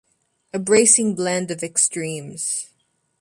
A bracing blend of extremes.